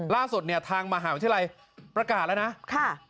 ล่าสุดเนี่ยทางมหาวิทยาลัยประกาศแล้วนะค่ะ